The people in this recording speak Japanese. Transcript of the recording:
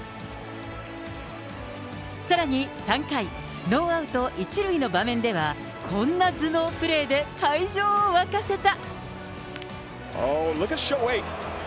さらに３回、ノーアウト１塁の場面では、こんな頭脳プレーで会場を沸かせた。